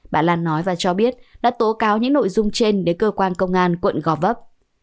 bà lan nói và cho biết đã tố cáo những nội dung trên đến cơ quan công an quận gò vấp